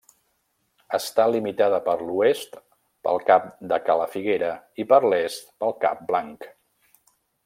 Està limitada per l'oest pel cap de Cala Figuera, i per l'est pel cap Blanc.